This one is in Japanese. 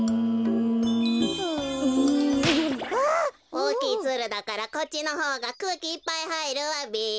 おおきいツルだからこっちのほうがくうきいっぱいはいるわべ。